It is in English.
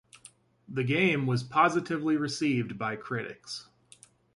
The game was positively received by critics.